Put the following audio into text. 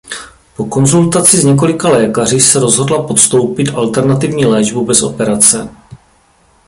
Po konzultaci s několika lékaři se rozhodla podstoupit alternativní léčbu bez operace.